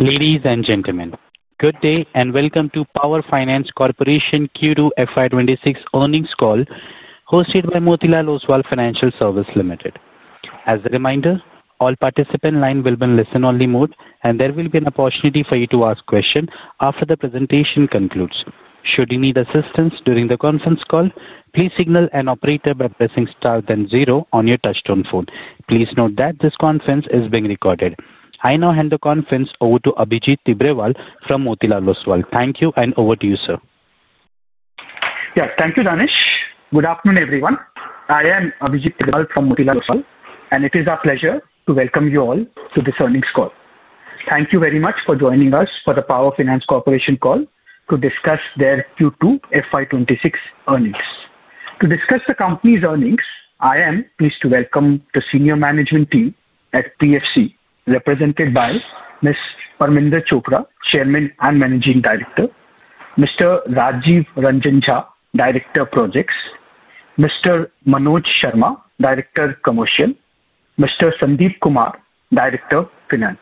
Ladies and gentlemen, good day and welcome to Power Finance Corporation Q2 FY 2026 earnings call, hosted by Motilal Oswal Financial Services Limited. As a reminder, all participants' lines will be in listen-only mode, and there will be an opportunity for you to ask questions after the presentation concludes. Should you need assistance during the conference call, please signal an operator by pressing star then zero on your touch-tone phone. Please note that this conference is being recorded. I now hand the conference over to Abhijit Tibrewal from Motilal Oswal. Thank you, and over to you, sir. Yes, thank you, Danish. Good afternoon, everyone. I am Abhijit Tibrewal from Motilal Oswal, and it is our pleasure to welcome you all to this earnings call. Thank you very much for joining us for the Power Finance Corporation call to discuss their Q2 FY 2026 earnings. To discuss the company's earnings, I am pleased to welcome the senior management team at PFC, represented by Ms. Parminder Chopra, Chairman and Managing Director; Mr. Rajiv Ranjan Jha, Director of Projects; Mr. Manoj Sharma, Director of Commercial; Mr. Sandeep Kumar, Director of Finance.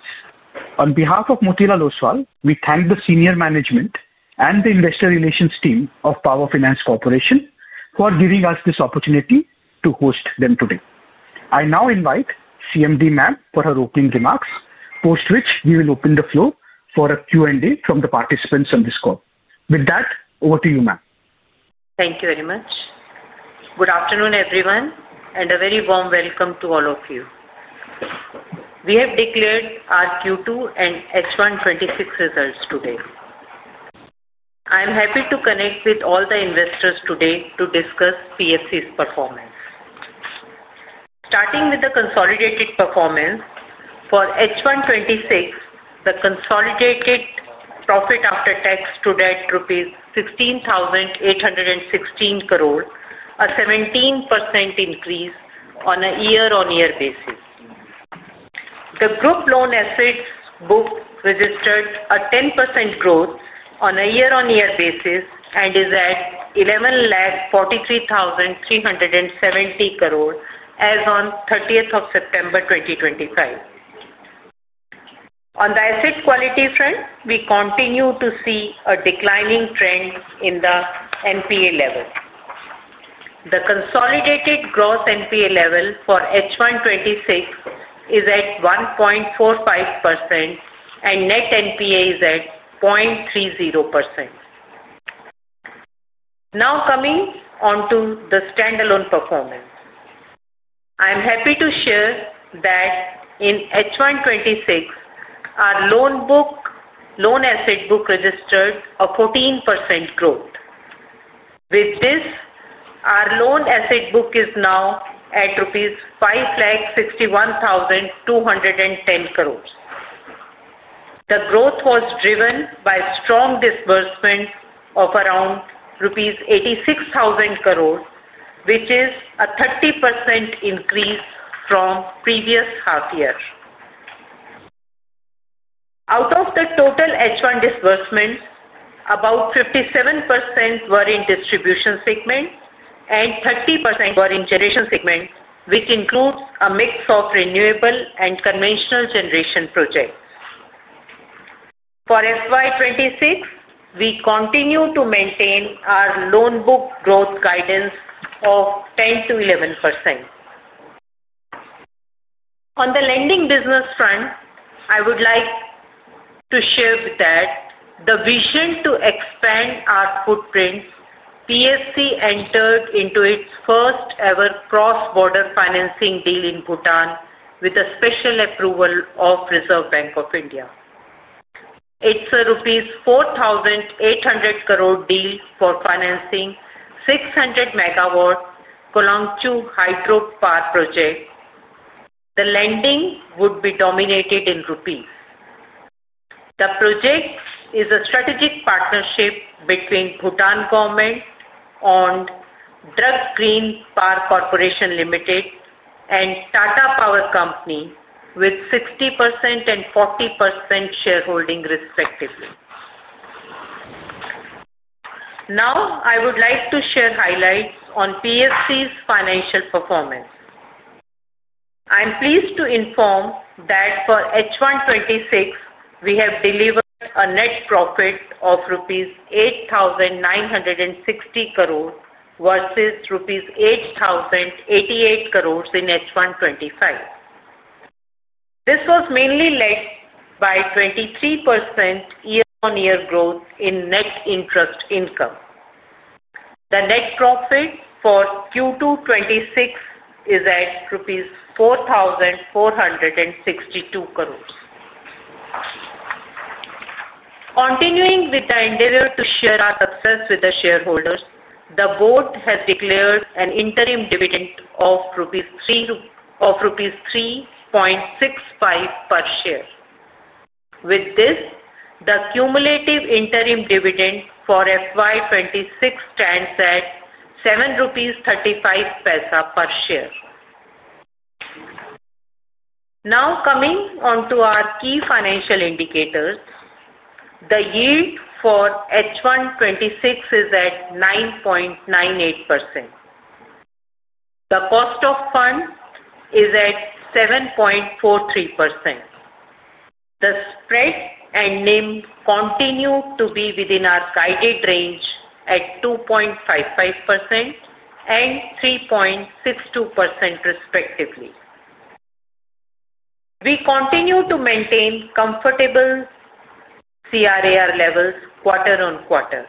On behalf of Motilal Oswal, we thank the senior management and the investor relations team of Power Finance Corporation for giving us this opportunity to host them today. I now invite CMD Chopra for her opening remarks, post which we will open the floor for a Q&A from the participants on this call. With that, over to you, Chopra. Thank you very much. Good afternoon, everyone, and a very warm welcome to all of you. We have declared our Q2 and H1 2026 results today. I am happy to connect with all the investors today to discuss PFC's performance. Starting with the consolidated performance, for H1 2026, the consolidated profit after tax today is rupees 16,816 crore, a 17% increase on a year-on-year basis. The group loan assets booked registered a 10% growth on a year-on-year basis and is at 11,43,370 crore as of 30th of September 2025. On the asset quality front, we continue to see a declining trend in the NPA level. The consolidated gross NPA level for H1 2026 is at 1.45%, and net NPA is at 0.30%. Now coming onto the standalone performance, I am happy to share that in H1 2026, our loan asset book registered a 14% growth. With this, our loan asset book is now at INR 561,210 crore. The growth was driven by strong disbursement of around rupees 86,000 crore, which is a 30% increase from the previous half-year. Out of the total H1 disbursement, about 57% were in distribution segment, and 30% were in generation segment, which includes a mix of renewable and conventional generation projects. For FY 2026, we continue to maintain our loan book growth guidance of 10%-11%. On the lending business front, I would like to share that the vision to expand our footprint, Power Finance Corporation entered into its first-ever cross-border financing deal in Bhutan with the special approval of Reserve Bank of India. It is an rupees 4,800 crore deal for financing 600 MW Kolang Chu Hydro Power Project. The lending would be denominated in rupees. The project is a strategic partnership between Bhutan government-owned Druk Green Power Corporation Limited and Tata Power Company Limited, with 60% and 40% shareholding, respectively. Now, I would like to share highlights on PFC's financial performance. I am pleased to inform that for H1 2026, we have delivered a net profit of rupees 8,960 crore versus rupees 8,088 crore in H1 2025. This was mainly led by 23% year-on-year growth in net interest income. The net profit for Q2 2026 is at INR 4,462 crore. Continuing with the intent to share our success with the shareholders, the board has declared an interim dividend of rupees 3.65 per share. With this, the cumulative interim dividend for FY 2026 stands at 7.35 rupees per share. Now coming onto our key financial indicators, the yield for H1 2026 is at 9.98%. The cost of funds is at 7.43%. The spread and NIM continue to be within our guided range at 2.55% and 3.62%, respectively. We continue to maintain comfortable CRAR levels quarter on quarter.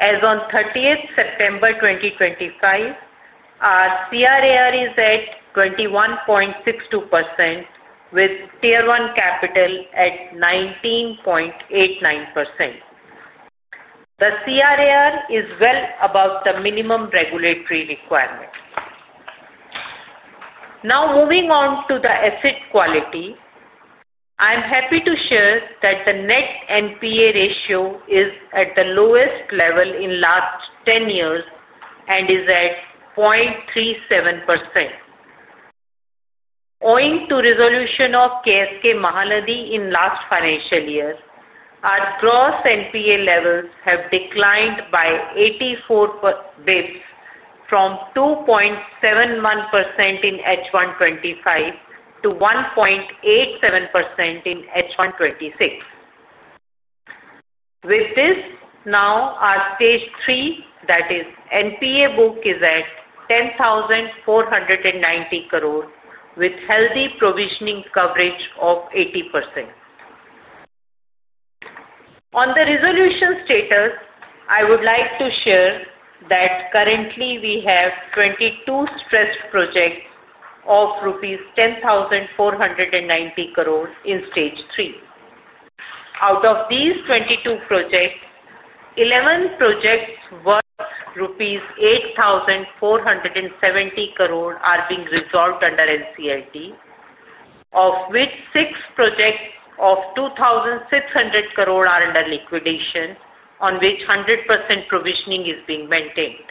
As of 30th September 2025, our CRAR is at 21.62%, with Tier 1 capital at 19.89%. The CRAR is well above the minimum regulatory requirement. Now moving on to the asset quality, I am happy to share that the net NPA ratio is at the lowest level in the last 10 years and is at 0.37%. Owing to the resolution of KSK Mahanadi in the last financial year, our gross NPA levels have declined by 84 basis points, from 2.71% in H1 2025 to 1.87% in H1 2026. With this, now our stage three, that is NPA book, is at 10,490 crore, with healthy provisioning coverage of 80%. On the resolution status, I would like to share that currently we have 22 stressed projects of rupees 10,490 crore in stage three. Out of these 22 projects, 11 projects worth 8,470 crore rupees are being resolved under NCLT, of which 6 projects of 2,600 crore are under liquidation, on which 100% provisioning is being maintained.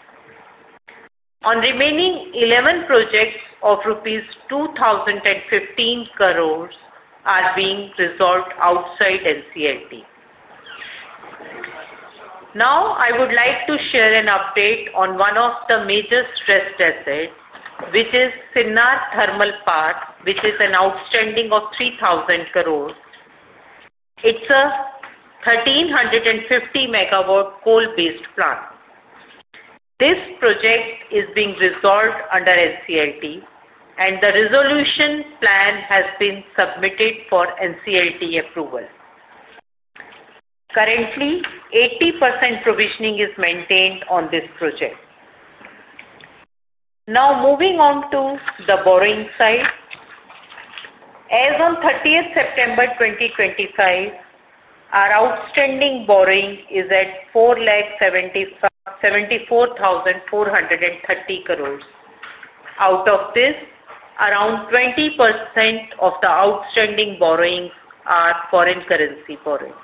On the remaining 11 projects of rupees 2,015 crore are being resolved outside NCLT. Now, I would like to share an update on one of the major stressed assets, which is Sinnar Thermal Park, which is an outstanding of 3,000 crore. It's a 1,350 MW coal-based plant. This project is being resolved under NCLT, and the resolution plan has been submitted for NCLT approval. Currently, 80% provisioning is maintained on this project. Now moving on to the borrowing side, as of 30th September 2025, our outstanding borrowing is at 4,74,430 crore. Out of this, around 20% of the outstanding borrowing are foreign currency borrowings.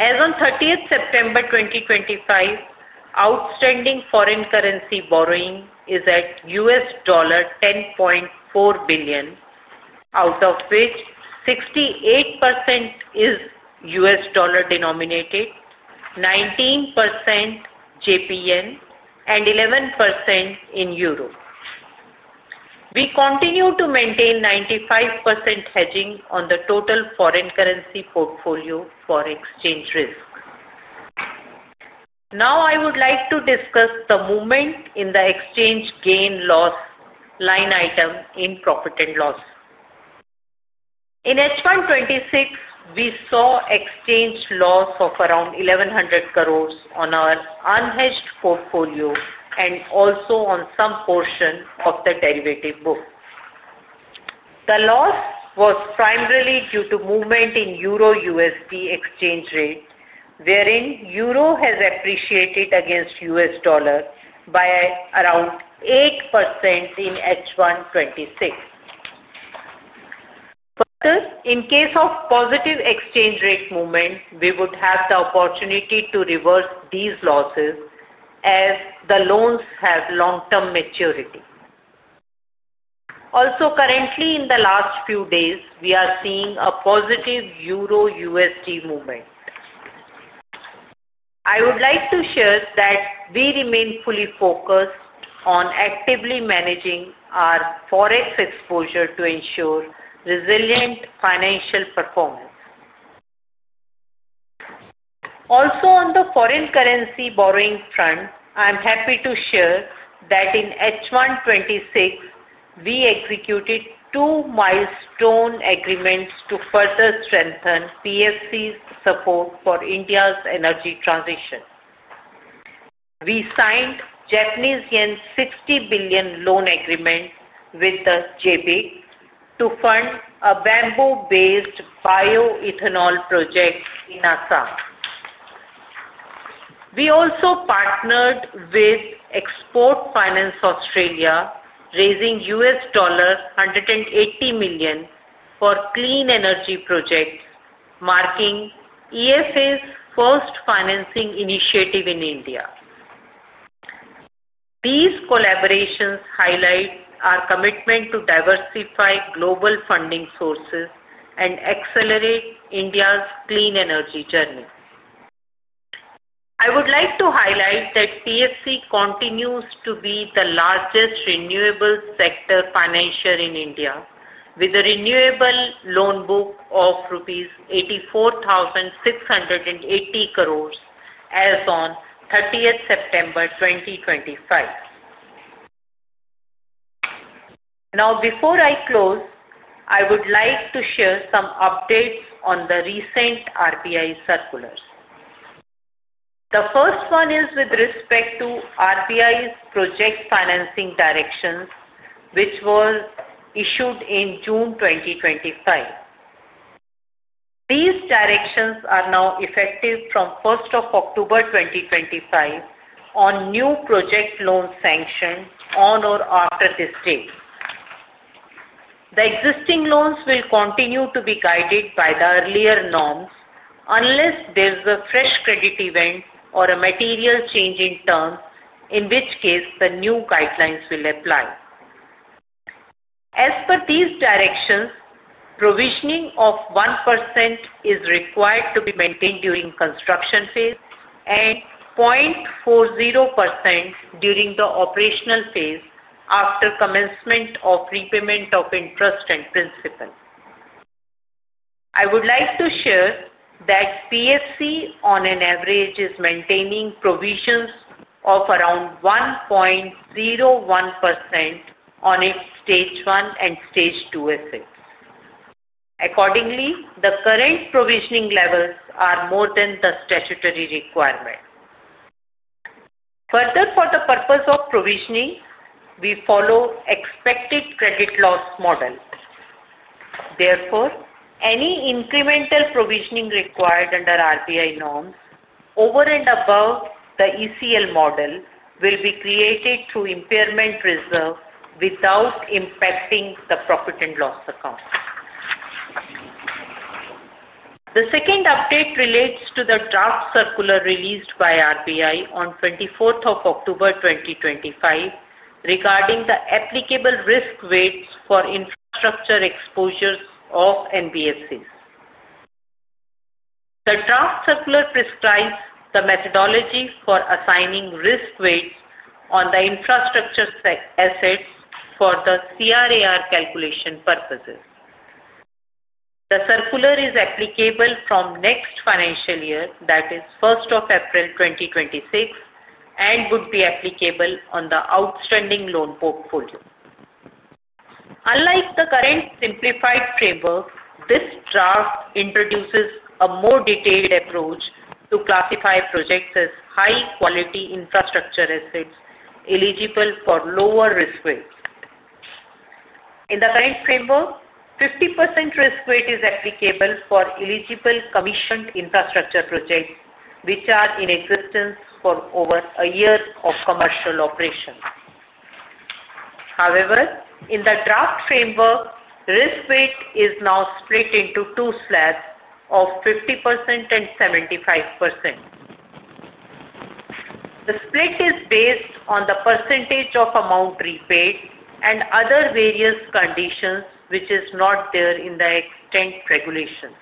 As of 30th September 2025, outstanding foreign currency borrowing is at $10.4 billion, out of which 68% is U.S. dollar denominated, 19% JPY, and 11% in euro. We continue to maintain 95% hedging on the total foreign currency portfolio for exchange risk. Now, I would like to discuss the movement in the exchange gain loss line item in profit and loss. In H1 2026, we saw exchange loss of around 1,100 crore on our unhedged portfolio and also on some portion of the derivative book. The loss was primarily due to movement in euro/USD exchange rate, wherein euro has appreciated against U.S. dollar by around 8% in H1 2026. Further, in case of positive exchange rate movement, we would have the opportunity to reverse these losses as the loans have long-term maturity. Also, currently, in the last few days, we are seeing a positive euro/USD movement. I would like to share that we remain fully focused on actively managing our forex exposure to ensure resilient financial performance. Also, on the foreign currency borrowing front, I am happy to share that in H1 2026, we executed two milestone agreements to further strengthen PFC's support for India's energy transition. We signed a JPY 60 billion loan agreement with JBIC to fund a bamboo-based bioethanol project in Assam. We also partnered with Export Finance Australia, raising $180 million for clean energy projects, marking EFA's first financing initiative in India. These collaborations highlight our commitment to diversify global funding sources and accelerate India's clean energy journey. I would like to highlight that PFC continues to be the largest renewable sector financier in India, with a renewable loan book of 84,680 crore rupees as of 30th September 2025. Now, before I close, I would like to share some updates on the recent RBI circulars. The first one is with respect to RBI's project financing directions, which were issued in June 2025. These directions are now effective from 1st of October 2025 on new project loans sanctioned on or after this date. The existing loans will continue to be guided by the earlier norms unless there is a fresh credit event or a material change in terms, in which case the new guidelines will apply. As per these directions, provisioning of 1% is required to be maintained during the construction phase and 0.40% during the operational phase after commencement of repayment of interest and principal. I would like to share that PFC, on average, is maintaining provisions of around 1.01% on its stage one and stage two assets. Accordingly, the current provisioning levels are more than the statutory requirement. Further, for the purpose of provisioning, we follow the expected credit loss model. Therefore, any incremental provisioning required under RBI norms over and above the ECL model will be created through impairment reserve without impacting the profit and loss account. The second update relates to the draft circular released by RBI on 24th of October 2025 regarding the applicable risk weights for infrastructure exposures of NBFCs. The draft circular prescribes the methodology for assigning risk weights on the infrastructure assets for the CRAR calculation purposes. The circular is applicable from next financial year, that is 1st of April 2026, and would be applicable on the outstanding loan portfolio. Unlike the current simplified framework, this draft introduces a more detailed approach to classify projects as high-quality infrastructure assets eligible for lower risk weights. In the current framework, 50% risk weight is applicable for eligible commissioned infrastructure projects which are in existence for over a year of commercial operation. However, in the draft framework, risk weight is now split into two slabs of 50% and 75%. The split is based on the percentage of amount repaid and other various conditions which are not there in the extant regulation.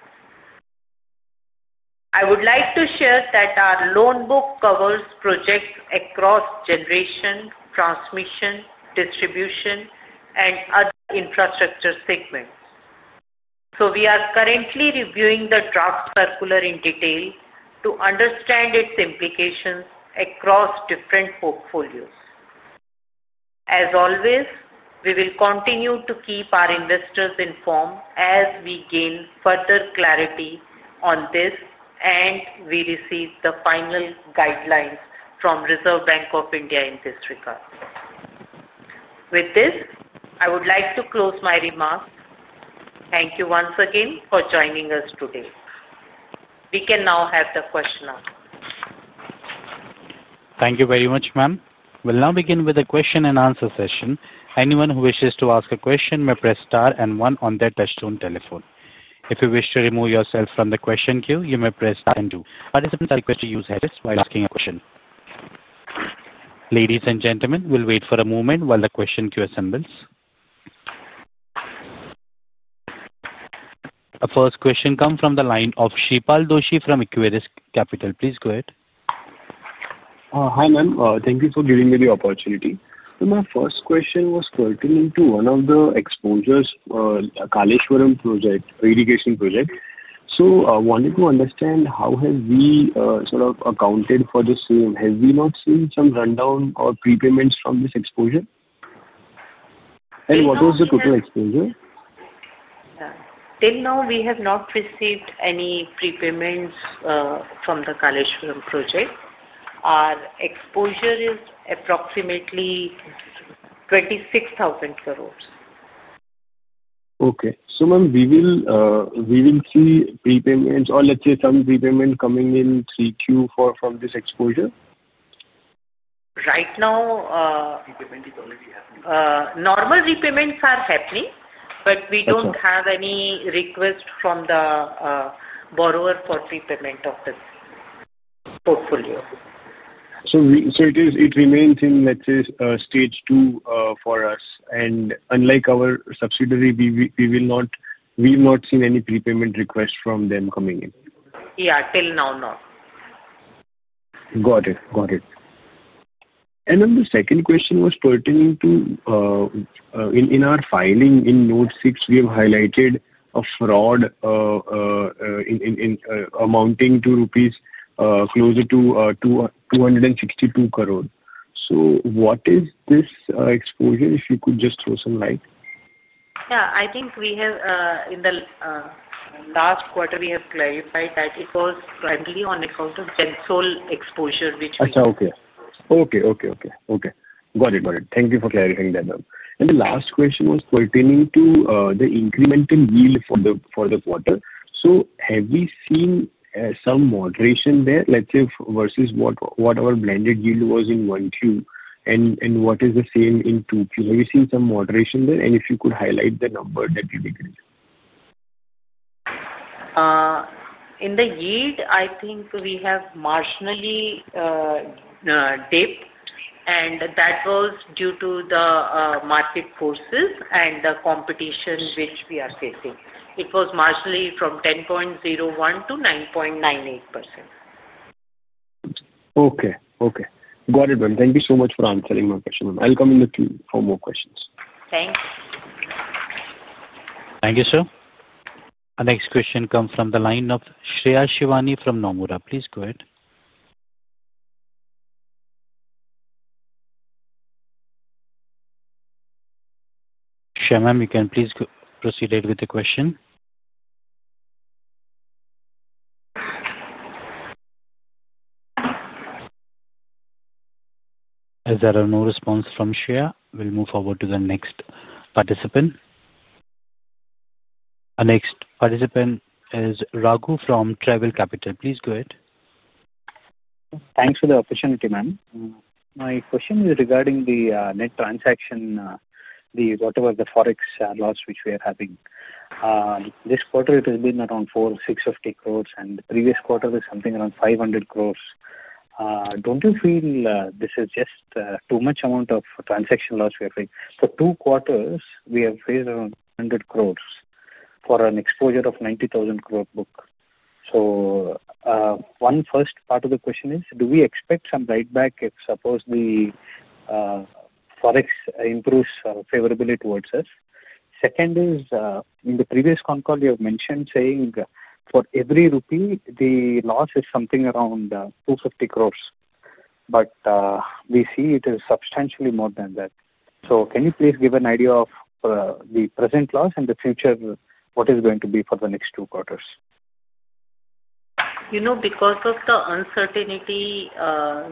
I would like to share that our loan book covers projects across generation, transmission, distribution, and other infrastructure segments. We are currently reviewing the draft circular in detail to understand its implications across different portfolios. As always, we will continue to keep our investors informed as we gain further clarity on this and we receive the final guidelines from Reserve Bank of India in this regard. With this, I would like to close my remarks. Thank you once again for joining us today. We can now have the question asked. Thank you very much, ma'am. We'll now begin with the question-and-answer session. Anyone who wishes to ask a question may press star and one on their touchstone telephone. If you wish to remove yourself from the question queue, you may press star and two. Participants are requested to use headsets while asking a question. Ladies and gentlemen, we'll wait for a moment while the question queue assembles. A first question comes from the line of Shreepal Doshi from Equirus Capital. Please go ahead. Hi ma'am, thank you for giving me the opportunity. My first question was pertaining to one of the exposures, a Kaleshwaram Irrigation Project. So I wanted to understand how have we sort of accounted for this? Have we not seen some rundown or prepayments from this exposure? And what was the total exposure? Till now, we have not received any prepayments from the Kaleshwaram project. Our exposure is approximately 26,000 crore. Okay. So ma'am, we will see prepayments or let's say some prepayment coming in Q3 from this exposure? Right now, normal repayments are happening, but we do not have any request from the borrower for prepayment of this portfolio. It remains in, let's say, stage two for us. Unlike our subsidiary, we will not see any prepayment request from them coming in. Yeah, till now, not. Got it. Got it. The second question was pertaining to, in our filing in note six, we have highlighted a fraud amounting to closer to 262 crore. What is this exposure, if you could just throw some light? Yeah, I think we have, in the last quarter, clarified that it was primarily on account of Gensol exposure, which we— Acha, okay. Okay, okay, okay. Okay. Got it. Got it. Thank you for clarifying that, ma'am. The last question was pertaining to the incremental yield for the quarter. Have we seen some moderation there, let's say, versus what our blended yield was in Q1 and what is the same in Q2? Have you seen some moderation there? If you could highlight the number that you did. In the yield, I think we have marginally dipped, and that was due to the market forces and the competition which we are facing. It was marginally from 10.01% to 9.98%. Okay. Okay. Got it, ma'am. Thank you so much for answering my question, ma'am. I'll come in the queue for more questions. Thanks. Thank you, sir. The next question comes from the line of Shreya Shivani from Nomura. Please go ahead. Shreya ma'am, you can please proceed ahead with the question. As there are no responses from Shreya, we'll move forward to the next participant. Our next participant is Raghu from Travel Capital. Please go ahead. Thanks for the opportunity, ma'am. My question is regarding the net transaction, whatever the forex loss which we are having. This quarter, it has been around 450 crore, and the previous quarter was something around 500 crore. Don't you feel this is just too much amount of transaction loss we are facing? For two quarters, we have faced around 100 crore for an exposure of 90,000 crore book. So one first part of the question is, do we expect some write-back if, suppose, the forex improves favorably towards us? Second is, in the previous con call, you have mentioned saying for every rupee, the loss is something around 250 crore, but we see it is substantially more than that. So can you please give an idea of the present loss and the future, what is going to be for the next two quarters? You know, because of the uncertainty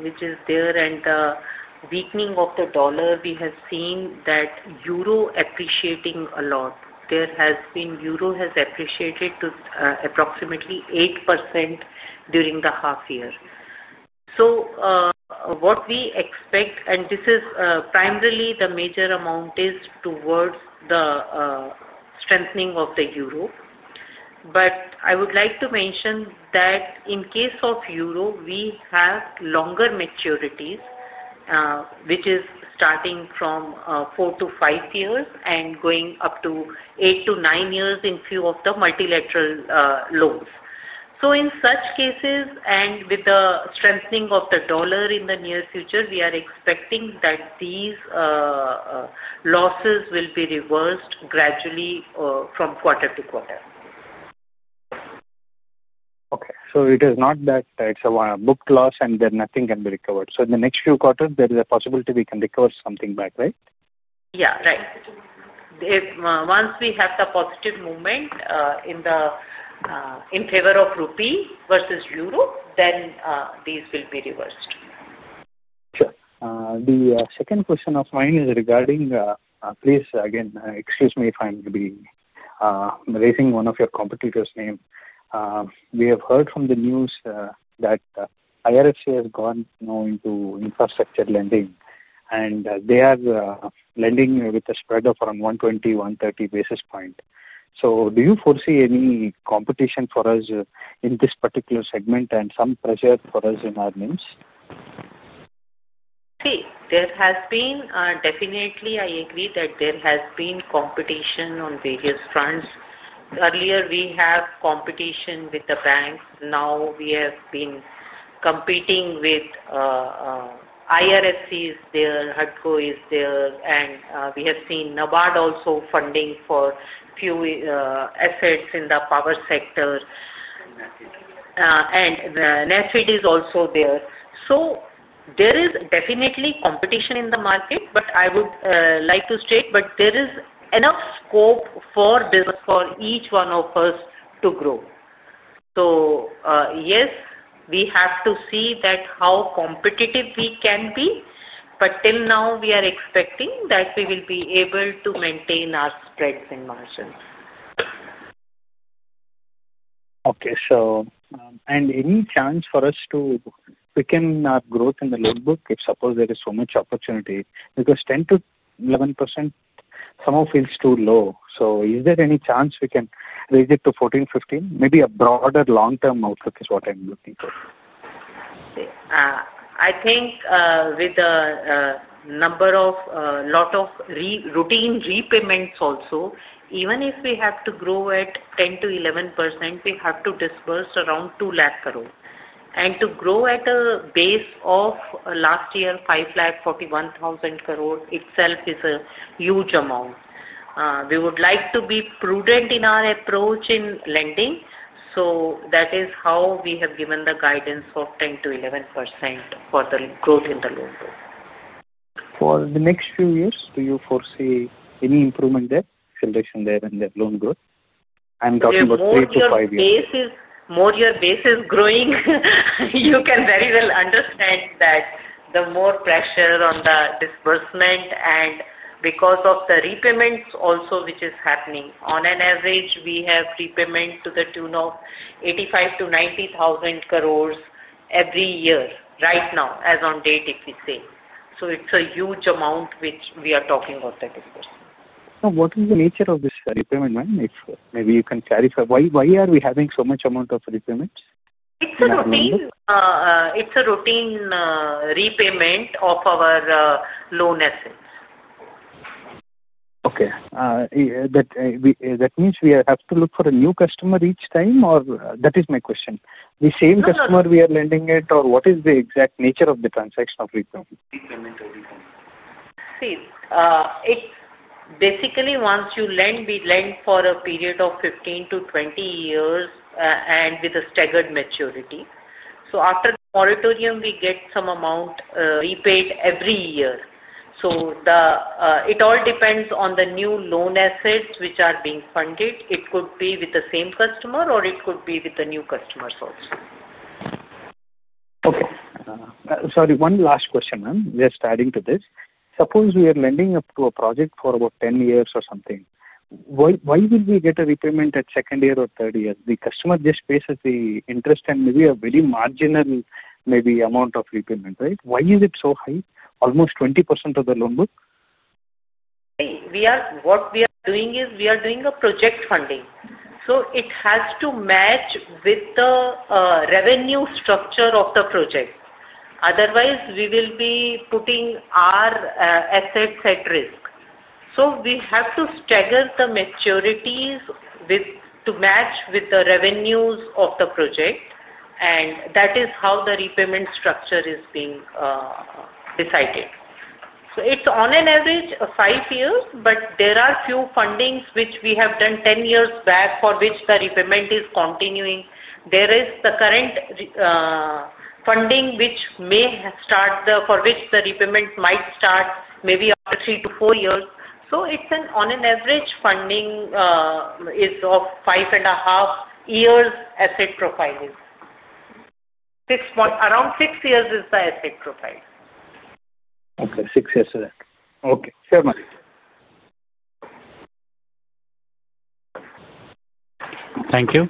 which is there and the weakening of the dollar, we have seen that euro appreciating a lot. There has been euro has appreciated to approximately 8% during the half year. What we expect, and this is primarily the major amount, is towards the strengthening of the euro. I would like to mention that in case of euro, we have longer maturities, which is starting from four to five years and going up to eight to nine years in view of the multilateral loans. In such cases, and with the strengthening of the dollar in the near future, we are expecting that these losses will be reversed gradually from quarter to quarter. Okay. It is not that it's a book loss and then nothing can be recovered. In the next few quarters, there is a possibility we can recover something back, right? Yeah, right. Once we have the positive movement in favor of rupee versus euro, then these will be reversed. Sure. The second question of mine is regarding, please again, excuse me if I'm raising one of your competitors' names. We have heard from the news that IRFC has gone now into infrastructure lending, and they are lending with a spread of around 120-130 basis points. Do you foresee any competition for us in this particular segment and some pressure for us in our names? See, there has been definitely, I agree that there has been competition on various fronts. Earlier, we had competition with the banks. Now, we have been competing with IRFC is there, HUDCO is there, and we have seen NABARD also funding for few assets in the power sector. And NaBFID is also there. There is definitely competition in the market, but I would like to state, there is enough scope for each one of us to grow. Yes, we have to see how competitive we can be, but till now, we are expecting that we will be able to maintain our spreads and margins. Okay. Any chance for us to weaken our growth in the loan book if, suppose, there is so much opportunity? Because 10%-11%, some of it is too low. Is there any chance we can raise it to 14%-15%? Maybe a broader long-term outlook is what I'm looking for. I think with a lot of routine repayments also, even if we have to grow at 10%-11%, we have to disburse around 2 lakh crore. And to grow at a base of last year, 541,000 crore itself is a huge amount. We would like to be prudent in our approach in lending. That is how we have given the guidance of 10%-11% for the growth in the loan book. For the next few years, do you foresee any improvement there, selection there in the loan growth? I'm talking about three to five years. As your base is growing, you can very well understand that the more pressure on the disbursement and because of the repayments also which is happening. On an average, we have repayment to the tune of 85,000-90,000 crore every year right now, as on date, if we say. It is a huge amount which we are talking of the disbursement. What is the nature of this repayment, ma'am? Maybe you can clarify. Why are we having so much amount of repayments? It is a routine repayment of our loan assets. Okay. That means we have to look for a new customer each time, or? That is my question. The same customer we are lending it, or what is the exact nature of the transaction of repayment? See, basically, once you lend, we lend for a period of 15-20 years and with a staggered maturity. After the moratorium, we get some amount repaid every year. It all depends on the new loan assets which are being funded. It could be with the same customer, or it could be with new customers also. Okay. Sorry, one last question, ma'am. Just adding to this. Suppose we are lending up to a project for about 10 years or something. Why would we get a repayment at second year or third year? The customer just faces the interest and maybe a very marginal amount of repayment, right? Why is it so high, almost 20% of the loan book? What we are doing is we are doing a project funding. It has to match with the revenue structure of the project. Otherwise, we will be putting our assets at risk. We have to stagger the maturities to match with the revenues of the project. That is how the repayment structure is being decided. It's on an average of five years, but there are a few fundings which we have done 10 years back for which the repayment is continuing. There is the current funding which may start, for which the repayment might start maybe after three to four years. It's an on-an-average funding of five and a half years asset profile. Around six years is the asset profile. Okay. Six years to that. Okay. Fair. Thank you.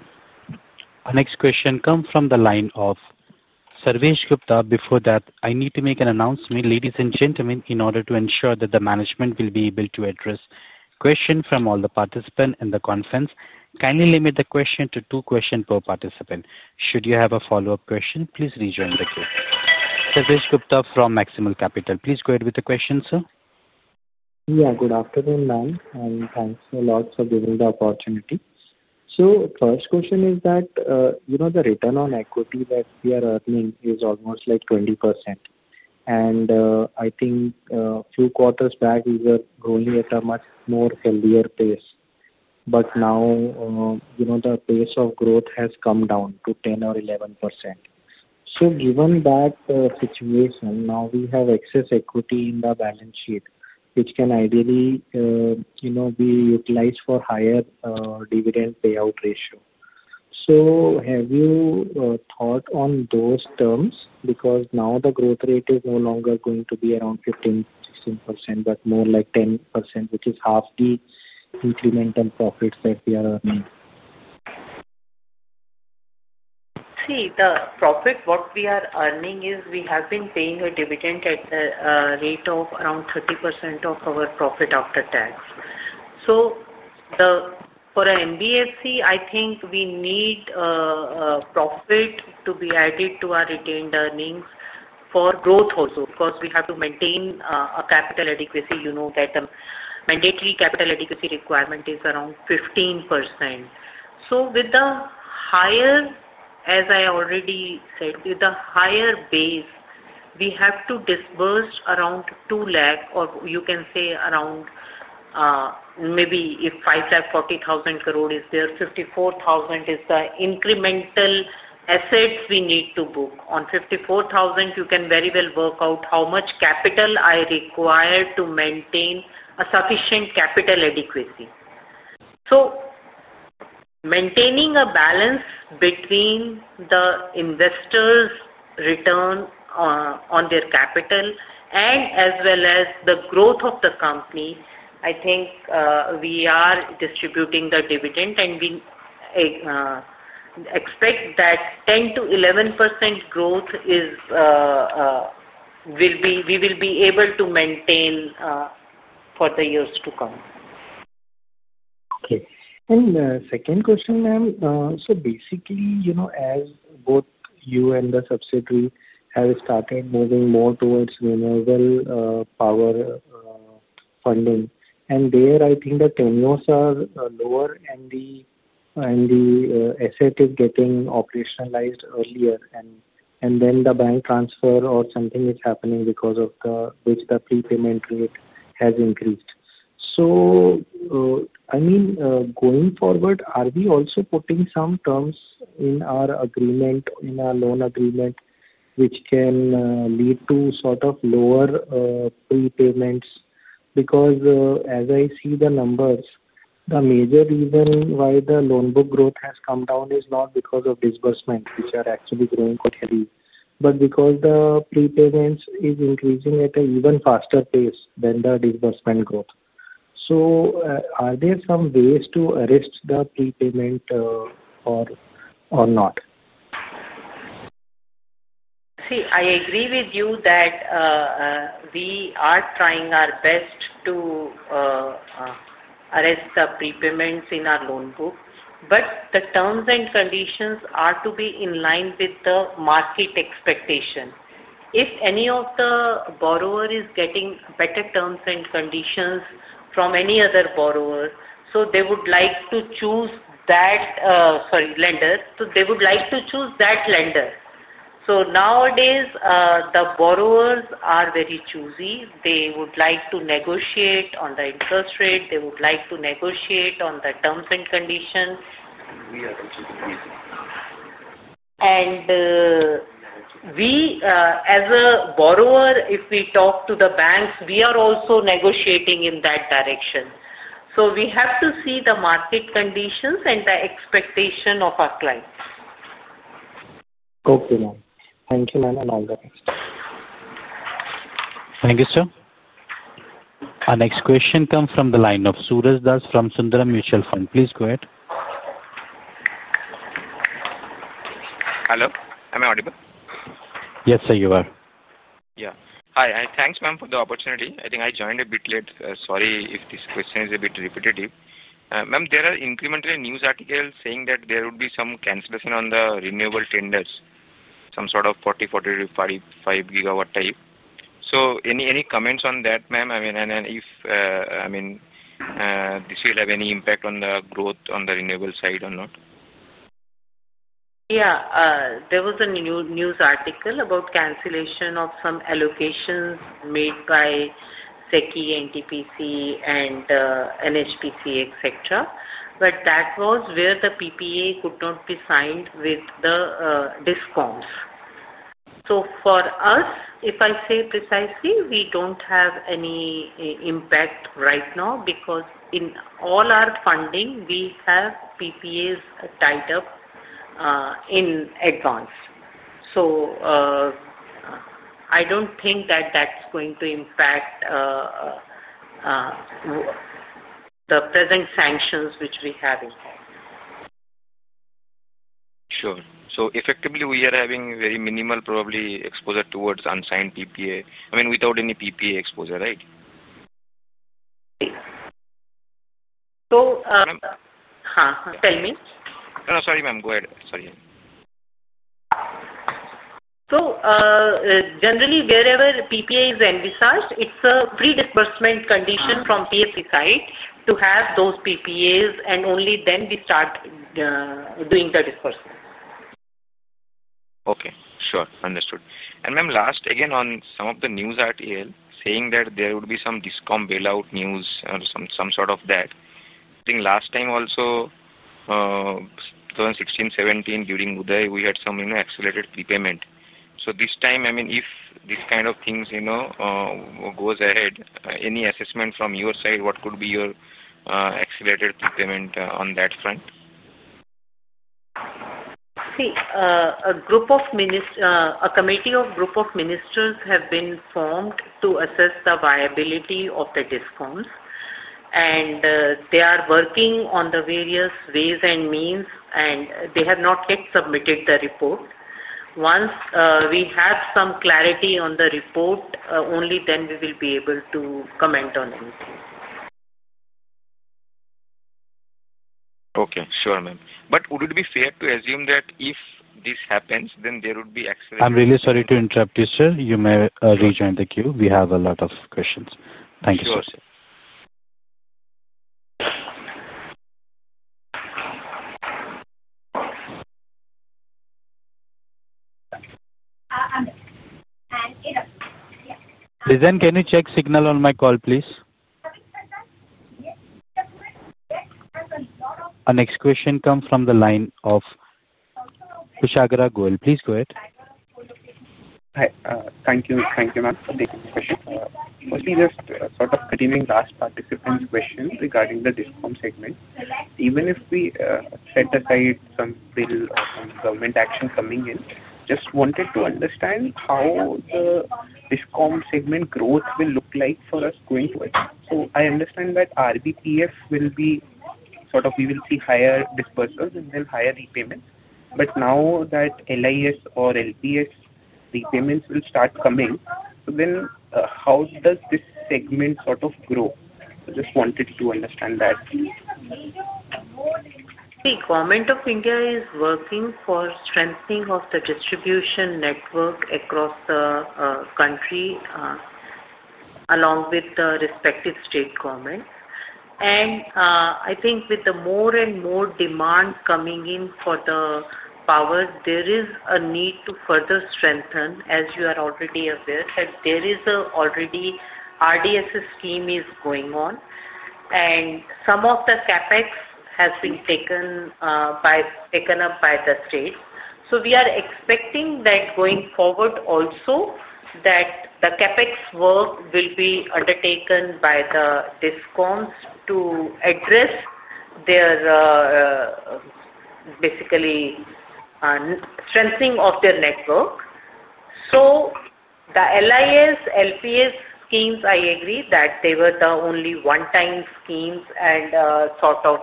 Our next question comes from the line of Sarvesh Gupta. Before that, I need to make an announcement, ladies and gentlemen, in order to ensure that the management will be able to address questions from all the participants in the conference. Kindly limit the question to two questions per participant. Should you have a follow-up question, please rejoin the queue. Sarvesh Gupta from Maximal Capital. Please go ahead with the question, sir. Yeah, good afternoon, ma'am. Thanks a lot for giving the opportunity. First question is that the return on equity that we are earning is almost like 20%. I think a few quarters back, we were growing at a much more healthier pace. Now, the pace of growth has come down to 10% or 11%. Given that situation, now we have excess equity in the balance sheet, which can ideally be utilized for higher dividend payout ratio. Have you thought on those terms? Now the growth rate is no longer going to be around 15%-16%, but more like 10%, which is half the incremental profits that we are earning. See, the profit, what we are earning is we have been paying a dividend at the rate of around 30% of our profit after tax. For an MBSC, I think we need profit to be added to our retained earnings for growth also, because we have to maintain a capital adequacy. You know that the mandatory capital adequacy requirement is around 15%. With the higher, as I already said, with the higher base, we have to disburse around 200,000,000,000, or you can say around maybe if 5,400,000,000,000 is there, 540,000,000,000 is the incremental assets we need to book. On 540,000,000,000, you can very well work out how much capital I require to maintain a sufficient capital adequacy. Maintaining a balance between the investors' return on their capital and as well as the growth of the company, I think we are distributing the dividend, and we expect that 10-11% growth we will be able to maintain for the years to come. Okay. The second question, ma'am. Basically, as both you and the subsidiary have started moving more towards renewable power funding, and there, I think the tenures are lower and the asset is getting operationalized earlier, and then the bank transfer or something is happening because of which the prepayment rate has increased. I mean, going forward, are we also putting some terms in our agreement, in our loan agreement, which can lead to sort of lower prepayments? Because as I see the numbers, the major reason why the loan book growth has come down is not because of disbursement, which are actually growing quite heavy, but because the prepayments are increasing at an even faster pace than the disbursement growth. Are there some ways to arrest the prepayment or not? See, I agree with you that we are trying our best to arrest the prepayments in our loan book, but the terms and conditions are to be in line with the market expectation. If any of the borrowers are getting better terms and conditions from any other lender, they would like to choose that lender. Nowadays, the borrowers are very choosy. They would like to negotiate on the interest rate. They would like to negotiate on the terms and conditions. We are also doing it. We, as a borrower, if we talk to the banks, we are also negotiating in that direction. We have to see the market conditions and the expectation of our clients. Okay, ma'am. Thank you, ma'am, and all the best. Thank you, sir. Our next question comes from the line of Suraj Das from Sundaram Mutual Fund. Please go ahead. Hello. Am I audible? Yes, sir, you are. Yeah. Hi. Thanks, ma'am, for the opportunity. I think I joined a bit late. Sorry if this question is a bit repetitive. Ma'am, there are incremental news articles saying that there would be some cancellation on the renewable tenders, some sort of 40 GW-45 GW type. So any comments on that, ma'am? I mean, and if, I mean, this will have any impact on the growth on the renewable side or not? Yeah. There was a news article about cancellation of some allocations made by SECI, NTPC, and NHPC, etc. That was where the PPA could not be signed with the DISCOMs. For us, if I say precisely, we do not have any impact right now because in all our funding, we have PPAs tied up in advance. I do not think that is going to impact the present sanctions which we have in place. Sure. Effectively, we are having very minimal, probably, exposure towards unsigned PPA. I mean, without any PPA exposure, right? Ma'am? Huh? Tell me. Sorry, ma'am. Go ahead. Sorry. Generally, wherever PPA is envisaged, it is a pre-disbursement condition from PFC side to have those PPAs, and only then we start doing the disbursement. Okay. Sure. Understood. Ma'am, last, again, on some of the news articles saying that there would be some DISCOM bailout news or something of that sort. I think last time also, 2016-2017, during UDAY, we had some accelerated prepayment. This time, I mean, if this kind of things goes ahead, any assessment from your side, what could be your accelerated prepayment on that front? See, a committee of group of ministers have been formed to assess the viability of the DISCOMs, and they are working on the various ways and means, and they have not yet submitted the report. Once we have some clarity on the report, only then we will be able to comment on anything. Okay. Sure, ma'am. Would it be fair to assume that if this happens, then there would be accelerated— I'm really sorry to interrupt you, sir. You may rejoin the queue. We have a lot of questions. Thank you, sir. Sure, sir. Lizzan, can you check signal on my call, please? Our next question comes from the line of Kushagra Goel. Please go ahead. Thank you. Thank you, ma'am, for taking the question. Mostly, just sort of continuing last participant's question regarding the discom segment. Even if we set aside some bill or some government action coming in, just wanted to understand how the discom segment growth will look like for us going forward. I understand that RDSS will be sort of we will see higher disbursals and then higher repayments. Now that LPS repayments will start coming, how does this segment sort of grow? I just wanted to understand that. See, Government of India is working for strengthening of the distribution network across the country along with the respective state governments. I think with more and more demand coming in for power, there is a need to further strengthen, as you are already aware, that there is already the RDSS scheme going on, and some of the CapEx has been taken up by the state. We are expecting that going forward also, the CapEx work will be undertaken by the DISCOMs to address their basically strengthening of their network. The LIS, LPS schemes, I agree that they were only one-time schemes and sort of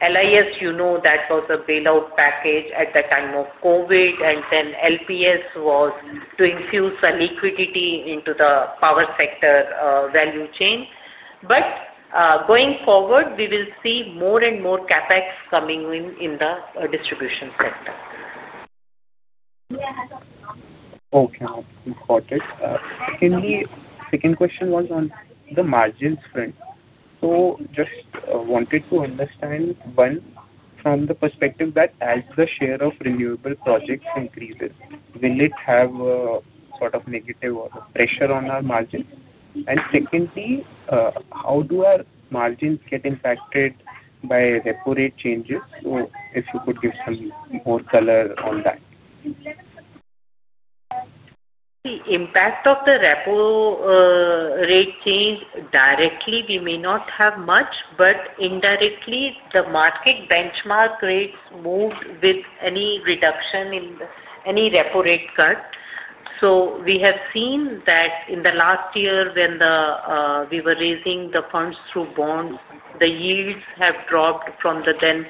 LIS, you know, that was a bailout package at the time of COVID, and then LPS was to infuse liquidity into the power sector value chain. Going forward, we will see more and more CapEx coming in in the distribution sector. Okay. Got it. Second question was on the margins front. Just wanted to understand, one, from the perspective that as the share of renewable projects increases, will it have sort of negative pressure on our margins? Secondly, how do our margins get impacted by repo rate changes? If you could give some more color on that. The impact of the repo rate change directly, we may not have much, but indirectly, the market benchmark rates moved with any reduction in any repo rate cut. We have seen that in the last year when we were raising the funds through bonds, the yields have dropped from then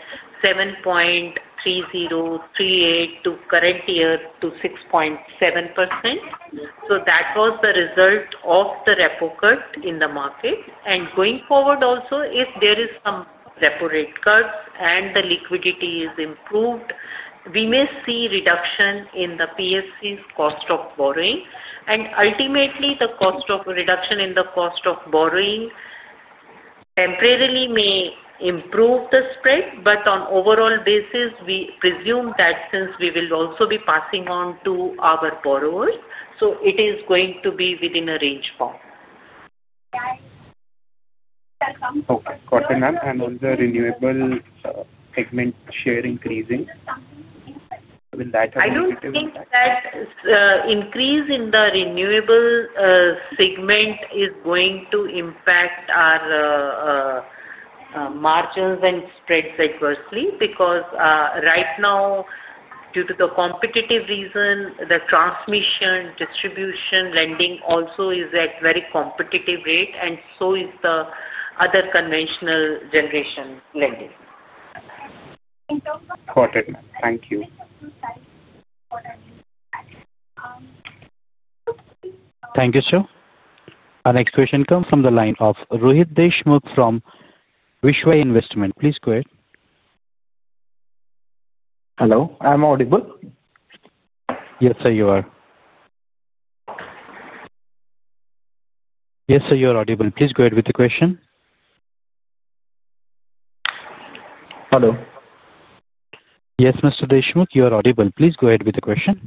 7.3038% to current year to 6.7%. That was the result of the repo cut in the market. Going forward also, if there is some repo rate cuts and the liquidity is improved, we may see reduction in the PFC's cost of borrowing. Ultimately, the reduction in the cost of borrowing temporarily may improve the spread, but on an overall basis, we presume that since we will also be passing on to our borrowers, it is going to be within a range bound. Okay. Got it, ma'am. On the renewable segment share increasing, will that affect? I do not think that increase in the renewable segment is going to impact our margins and spreads adversely because right now, due to the competitive reason, the transmission, distribution, lending also is at a very competitive rate, and so is the other conventional generation lending. Got it, ma'am. Thank you. Thank you, sir. Our next question comes from the line of Rohit Deshmukh from Vishwa Investment. Please go ahead. Hello. Am I audible? Yes, sir, you are. Yes, sir, you are audible. Please go ahead with the question. Hello. Yes, Mr. Deshmukh, you are audible. Please go ahead with the question.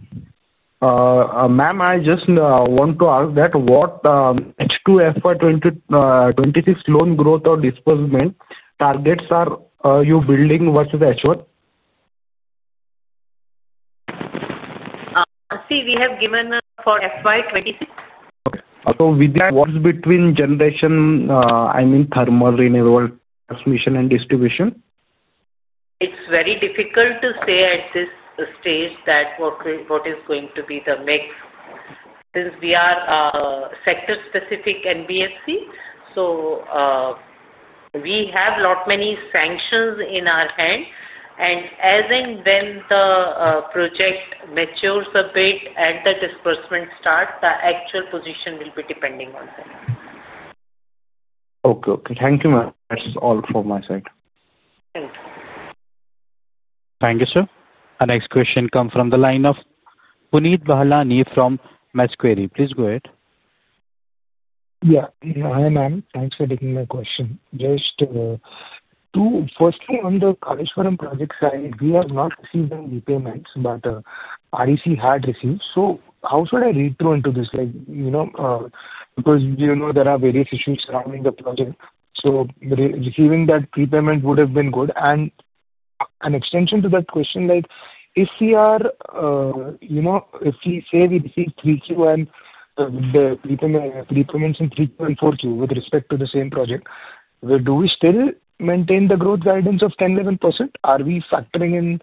Ma'am, I just want to ask that what H2 FY 2026 loan growth or disbursement targets are you building versus H1? See, we have given for FY 2026. Okay. With that, what's between generation, I mean, thermal, renewable, transmission, and distribution? It's very difficult to say at this stage what is going to be the mix. Since we are sector-specific NBFC, we have a lot many sanctions in our hand, and as and when the project matures a bit and the disbursement starts, the actual position will be depending on them. Okay. Okay. Thank you, ma'am. That's all from my side. Thank you. Thank you, sir. Our next question comes from the line of Punit Bahlani from Macquarie. Please go ahead. Yeah. Hi, ma'am. Thanks for taking my question. Just firstly, on the Kaleshwaram project side, we have not received any repayments, but REC had received. How should I read through into this? Because there are various issues surrounding the project. Receiving that prepayment would have been good. An extension to that question, if we say we receive 3Q and the prepayments in 3Q and 4Q with respect to the same project, do we still maintain the growth guidance of 10%-11%? Are we factoring in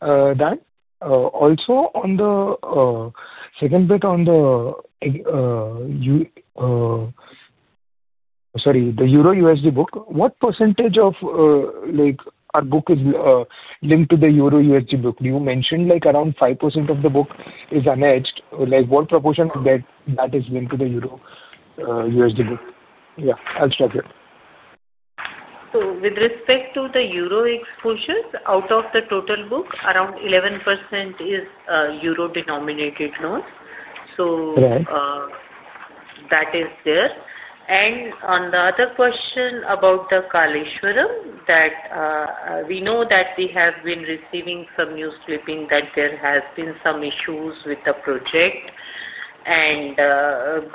that? Also, on the second bit, sorry, the Euro USD book, what percentage of our book is linked to the Euro USD book? You mentioned around 5% of the book is unhedged. What proportion of that is linked to the Euro USD book? Yeah. I'll stop here. With respect to the Euro exposures, out of the total book, around 11% is Euro denominated loans. That is there. On the other question about the Kaleshwaram, we know that we have been receiving some news clipping that there have been some issues with the project. Under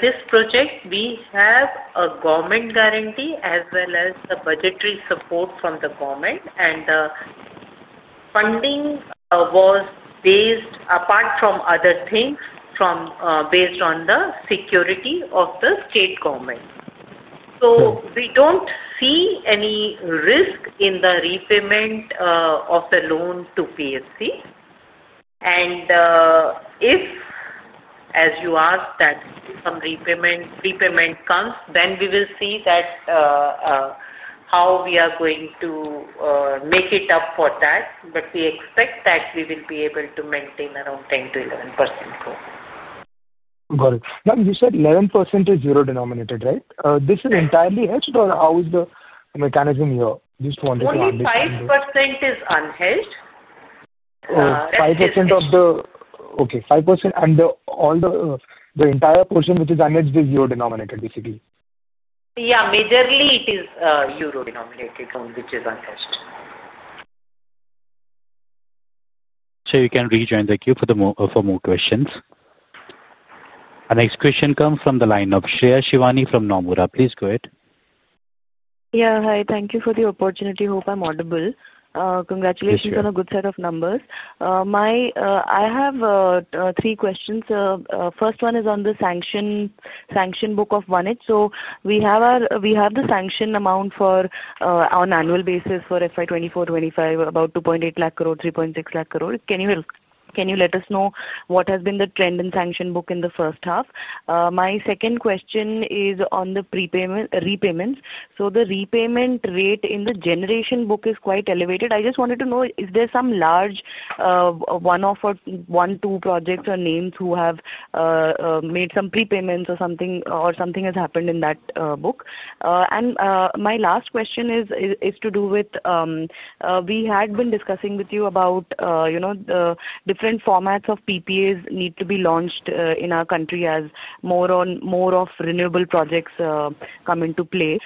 this project, we have a government guarantee as well as the budgetary support from the government, and the funding was based, apart from other things, on the security of the state government. We do not see any risk in the repayment of the loan to PFC. If, as you asked, some repayment comes, then we will see how we are going to make it up for that. We expect that we will be able to maintain around 10%-11% growth. Got it. Now, you said 11% is Euro denominated, right? This is entirely hedged, or how is the mechanism here? Just wanted to understand. Only 5% is unhedged. 5% of the, okay. 5%, and the entire portion which is unhedged is Euro denominated, basically? Yeah. Majorly, it is Euro denominated loans which is unhedged. You can rejoin the queue for more questions. Our next question comes from the line of Shreya Shivani from Nomura. Please go ahead. Yeah. Hi. Thank you for the opportunity. Hope I'm audible. Congratulations on a good set of numbers. I have three questions. First one is on the sanction book of one edge. We have the sanction amount on annual basis for FY 2024-2025, about 2.8 lakh crore, 3.6 lakh crore. Can you let us know what has been the trend in sanction book in the first half? My second question is on the repayments. So the repayment rate in the generation book is quite elevated. I just wanted to know, is there some large one-off or one-two projects or names who have made some prepayments or something has happened in that book? My last question is to do with we had been discussing with you about the different formats of PPAs need to be launched in our country as more of renewable projects come into play.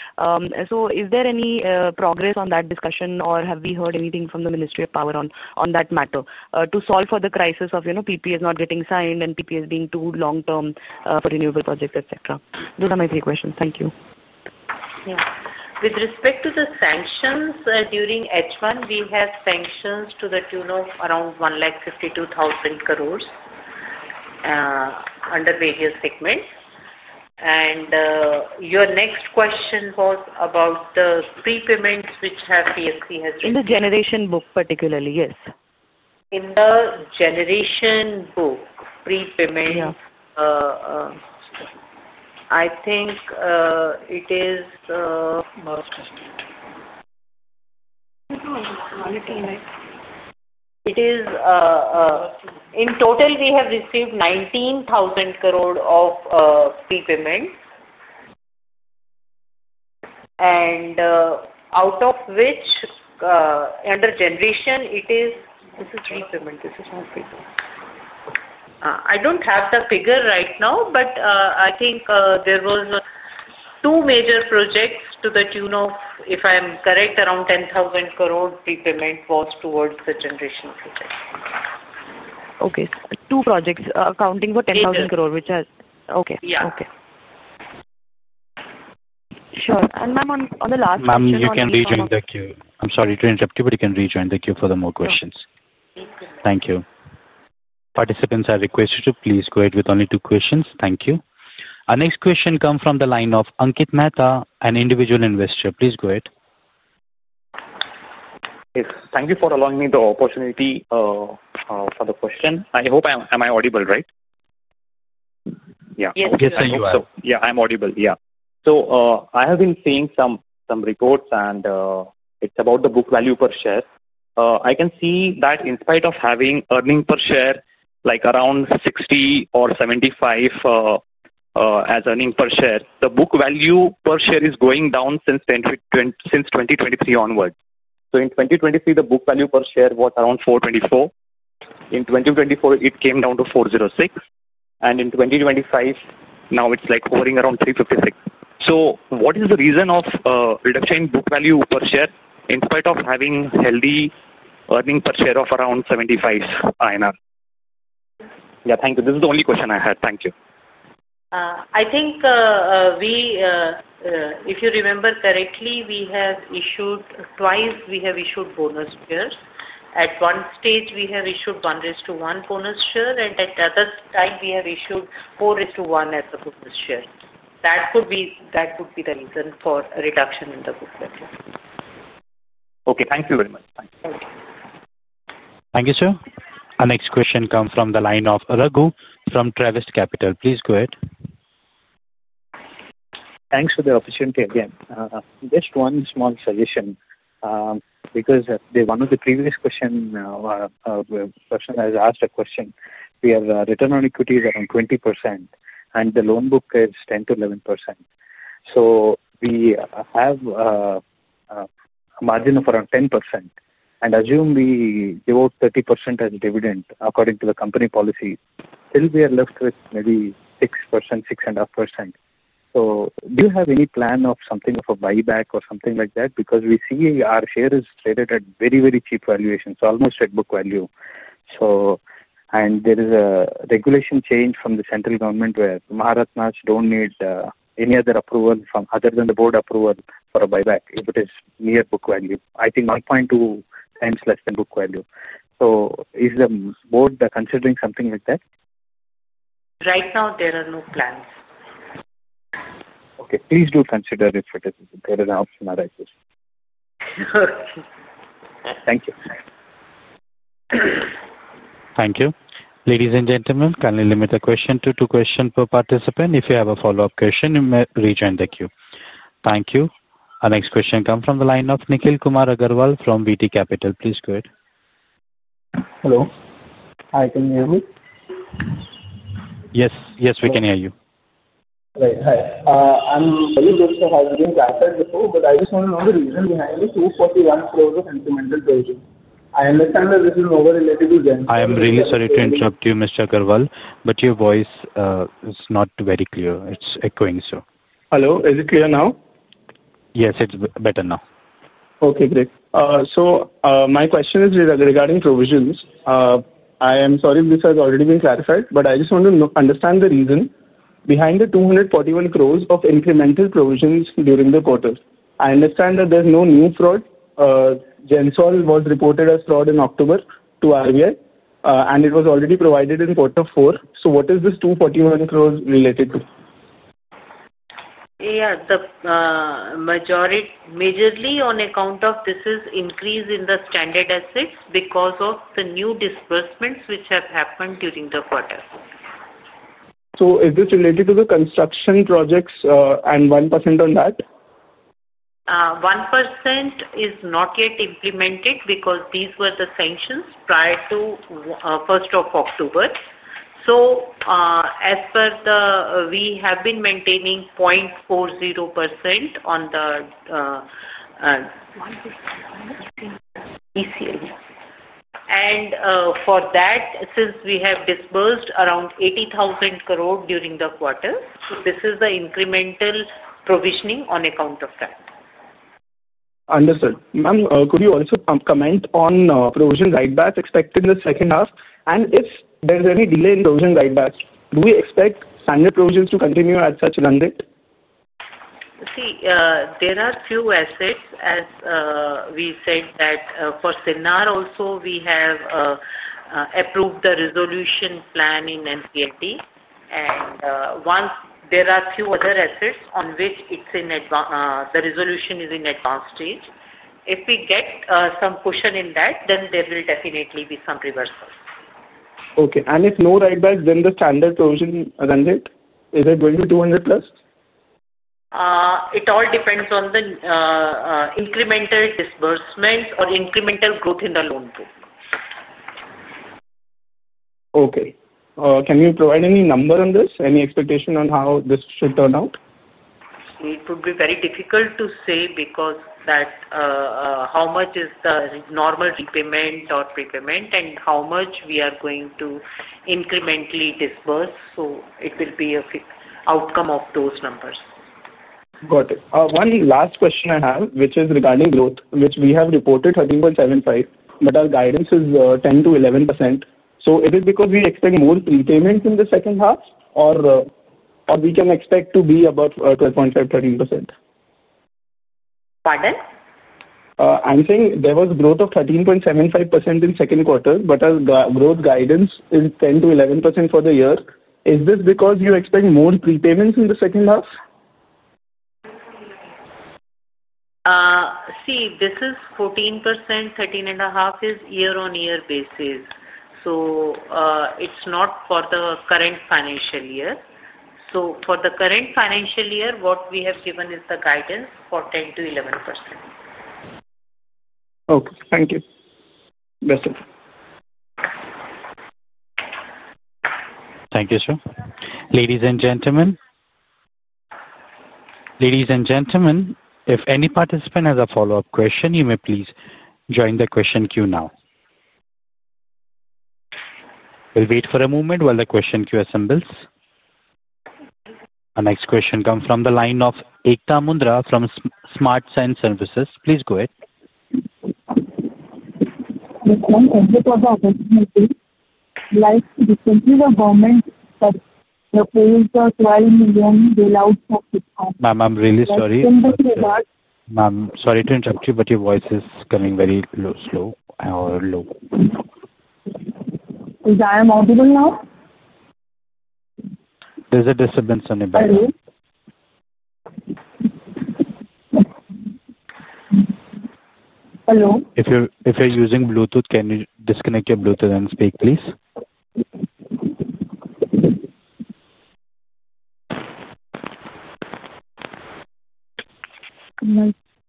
Is there any progress on that discussion, or have we heard anything from the Ministry of Power on that matter to solve for the crisis of PPAs not getting signed and PPAs being too long-term for renewable projects, etc.? Those are my three questions. Thank you. Yeah. With respect to the sanctions during H1, we have sanctions to the tune of around 152,000 crore under various segments. Your next question was about the prepayments which PFC has received. In the generation book particularly, yes. In the generation book, prepayments, I think it is in total, we have received 19,000 crore of prepayments, and out of which, under generation, this is repayment. This is my figure. I do not have the figure right now, but I think there were two major projects to the tune of, if I am correct, around 10,000 crore repayment was towards the generation project. Okay. Two projects accounting for 10,000 crore, which has, okay. Yeah. Okay. Sure. Ma'am, on the last question, you can rejoin the queue. I am sorry to interrupt you, but you can rejoin the queue for more questions. Thank you. Participants are requested to please go ahead with only two questions. Thank you. Our next question comes from the line of Ankit Mehta, an individual investor. Please go ahead. Thank you for allowing me the opportunity for the question. I hope am I audible, right? Yeah. Yes, sir, you are. Yeah. I'm audible. Yeah. So I have been seeing some reports, and it's about the book value per share. I can see that in spite of having earning per share around 60 or 75 as earning per share, the book value per share is going down since 2023 onward. So in 2023, the book value per share was around 424. In 2024, it came down to 406. And in 2025, now it's hovering around 356. What is the reason of reduction in book value per share in spite of having healthy earning per share of around 75 INR? Yeah. Thank you. This is the only question I had. Thank you. I think, if you remember correctly, we have issued twice we have issued bonus shares. At one stage, we have issued 1:1 bonus share, and at other time, we have issued 4/1 as a bonus share. That could be the reason for reduction in the book value. Okay. Thank you very much. Thank you. Thank you, sir. Our next question comes from the line of Raghu from Travest Capital. Please go ahead. Thanks for the opportunity again. Just one small suggestion because one of the previous questions has asked a question. We have return on equities around 20%, and the loan book is 10%-11%. So we have a margin of around 10%. And assume we give out 30% as dividend according to the company policy, still we are left with maybe 6%, 6.5%. So do you have any plan of something of a buyback or something like that? Because we see our share is traded at very, very cheap valuations, almost at book value. And there is a regulation change from the central government where Maharatnas do not need any other approval other than the board approval for a buyback if it is near book value. I think 1.2 times less than book value. So is the board considering something like that? Right now, there are no plans. Okay. Please do consider if there is an option arises. Okay. Thank you. Thank you. Ladies and gentlemen, can we limit the question to two questions per participant? If you have a follow-up question, you may rejoin the queue. Thank you. Our next question comes from the line of Nikhil Kumar Agarwal from VT Capital. Please go ahead. Hello. Hi. Can you hear me? Yes. Yes, we can hear you. Right. Hi. I am very good. Has been transferred before, but I just want to know the reason behind the 241 crore of incremental closing. I understand that this is over-related to them. I am really sorry to interrupt you, Mr. Agarwal, but your voice is not very clear. It's echoing. Hello. Is it clear now? Yes, it's better now. Okay. Great. My question is regarding provisions. I am sorry if this has already been clarified, but I just want to understand the reason behind the 241 crore of incremental provisions during the quarter. I understand that there's no new fraud. Gensol Engineering Limited was reported as fraud in October to RBI, and it was already provided in quarter four. What is this 241 crore related to? Yeah. Majority on account of this is increase in the standard assets because of the new disbursements which have happened during the quarter. Is this related to the construction projects and 1% on that? 1% is not yet implemented because these were the sanctions prior to 1 October. As per the, we have been maintaining 0.40% on the PCA. For that, since we have disbursed around 80,000 crore during the quarter, this is the incremental provisioning on account of that. Understood. Ma'am, could you also comment on provision write-backs expected in the second half? If there's any delay in provision write-backs, do we expect standard provisions to continue at such a rate? There are few assets, as we said, that for Sinnar also, we have approved the resolution plan in NCLT, and there are few other assets on which the resolution is in advanced stage. If we get some cushion in that, then there will definitely be some reversal. Okay. If no write-backs, then the standard provision is going to 200+? It all depends on the incremental disbursement or incremental growth in the loan book. Okay. Can you provide any number on this? Any expectation on how this should turn out? It would be very difficult to say because how much is the normal repayment or prepayment and how much we are going to incrementally disburse. It will be an outcome of those numbers. Got it. One last question I have, which is regarding growth, which we have reported 13.75%, but our guidance is 10%-11%. Is it because we expect more repayments in the second half, or we can expect to be about 12.5%-13%? Pardon? I am saying there was growth of 13.75% in second quarter, but our growth guidance is 10%-11% for the year. Is this because you expect more repayments in the second half? See, this is 14%, 13.5% is year-on-year basis. So it's not for the current financial year. For the current financial year, what we have given is the guidance for 10%-11%. Okay. Thank you. That's it. Thank you, sir. Ladies and gentlemen, if any participant has a follow-up question, you may please join the question queue now. We'll wait for a moment while the question queue assembles. Our next question comes from the line of Ekta Mundra from SmartSign Services. Please go ahead. Ma'am, thank you for the opportunity. Like recently, the government proposed a $12 million bailout for. Ma'am, I'm really sorry. Ma'am, sorry to interrupt you, but your voice is coming very slow or low. Is I am audible now? There's a disturbance on your back. Hello. Hello. If you're using Bluetooth, can you disconnect your Bluetooth and speak, please?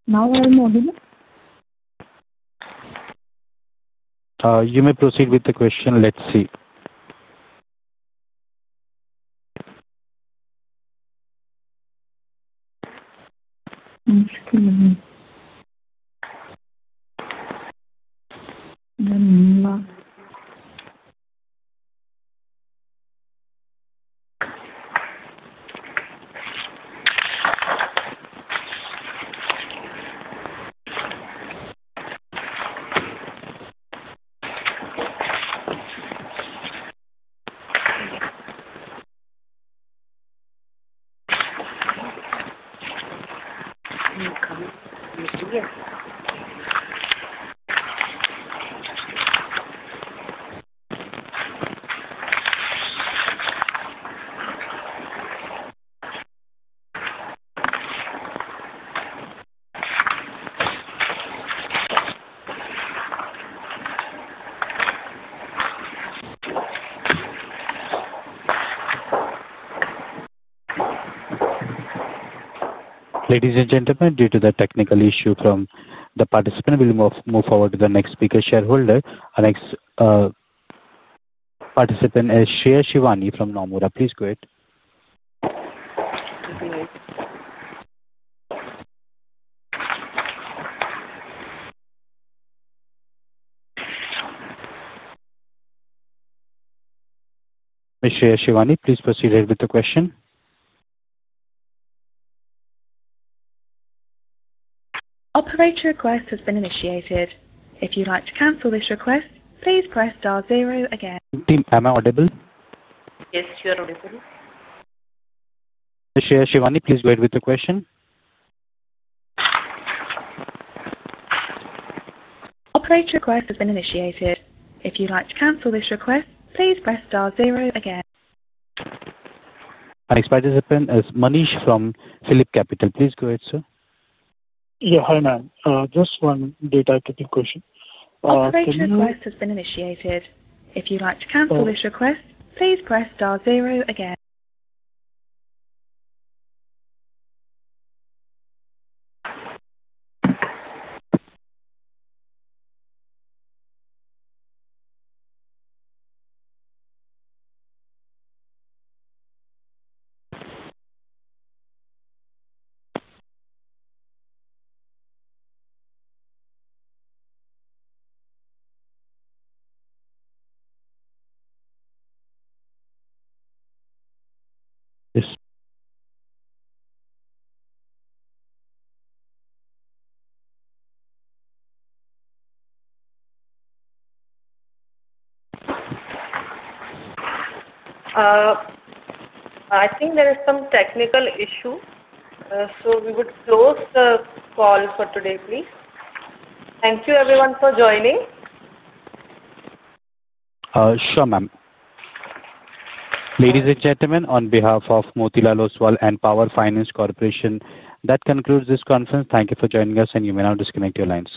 Now I'm audible. You may proceed with the question. Let's see. Ladies and gentlemen, due to the technical issue from the participant, we will move forward to the next speaker shareholder. Our next participant is Shreya Shivani from Nomura. Please go ahead. Ms. Shreya Shivani, please proceed ahead with the question. Operator request has been initiated. If you'd like to cancel this request, please press star zero again. Ma'am, I'm audible. Yes, you are audible. Ms. Shreya Shivani, please go ahead with the question. Operator request has been initiated. If you'd like to cancel this request, please press star zero again. Our next participant is Manish from PhillipCapital. Please go ahead, sir. Yeah. Hi, ma'am. Just one data-type question. Operator request has been initiated. If you'd like to cancel this request, please press star zero again. I think there is some technical issue, so we would close the call for today, please. Thank you, everyone, for joining. Sure, ma'am. Ladies and gentlemen, on behalf of Motilal Oswal and Power Finance Corporation, that concludes this conference. Thank you for joining us, and you may now disconnect your lines.